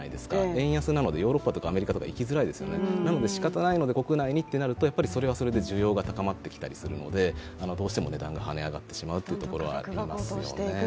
円安なのでヨーロッパとかアメリカとか生きづらいですよね、しかたないので国内にとなるとやっぱりそれはそれで需要が高まってきますのでどうしてもお値段が跳ね上がってしまうということはありますよね。